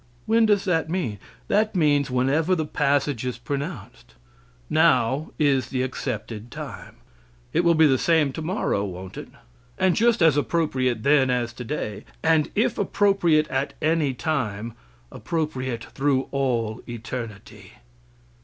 When does that mean? That means whenever the passage is pronounced. Now is the accepted time. It will be the same tomorrow, won't it? And just as appropriate then as today, and if appropriate at any time, appropriate through all eternity.